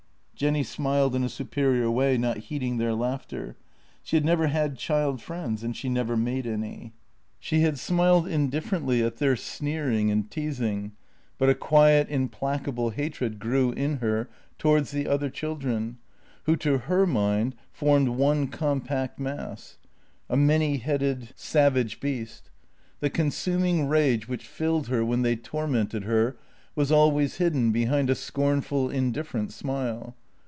Jenny smiled in a superior way, not heed ing their laughter. She had never had child friends, and she never made any. She had smiled indifferently at their sneering and teasing, but a quiet, implacable hatred grew in her towards the other chil dren, who to her mind formed one compact mass, a many headed 90 JENNY savage beast. The consuming rage which filled her when they tormented her was always hidden behind a scornful, indifferent smile.